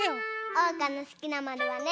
おうかのすきなまるはね。